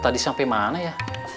tadi sampai mana ya